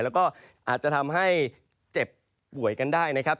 แล้วก็อาจจะทำให้เจ็บป่วยกันได้นะครับ